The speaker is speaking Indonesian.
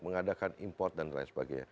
mengadakan import dan lain sebagainya